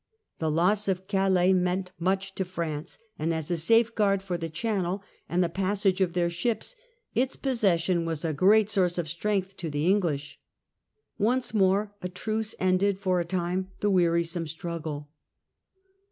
The loss of Calais meant much to France, and as a safeguard for the Channel and the passage of their ships, its possession was a great source of strength to the English. Once more a truce ended for a time the wearisome struggle.